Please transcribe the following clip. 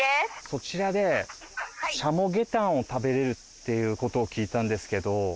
そちらでシャモゲタンを食べれるっていうことを聞いたんですけど。